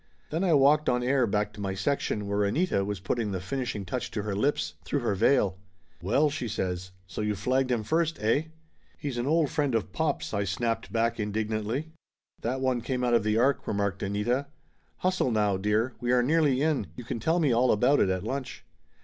Then I walked on air back to my section, where Anita was putting the finishing touch to her lips, through her veil. "Well!" she says. "So you flagged him first, eh?" "He's an old friend of pop's!" I snapped back in dignantly. "That one came out of the ark," remarked Anita. "Hustle now, dear; we are nearly in. You can tell me all about it at lunch."